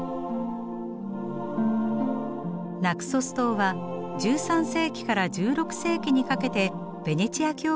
ナクソス島は１３世紀から１６世紀にかけてベネチア共和国に支配されます。